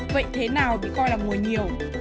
vậy thế nào bị coi là ngồi nhiều